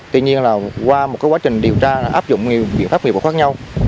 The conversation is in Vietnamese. tuy nhiên là qua một quá trình điều tra áp dụng nhiều biện pháp nhiều bộ khác nhau